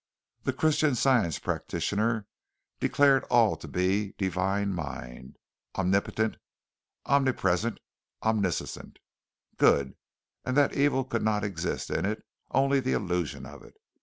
The Christian Science practitioner declared all to be divine mind omnipotent, omnipresent, omniscient good, and that evil could not exist in it only the illusion of it.